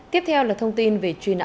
tiếp theo là thông tin về truy nã tội phạm